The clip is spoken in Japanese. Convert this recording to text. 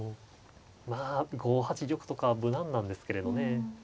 まあ５八玉とかは無難なんですけれどね。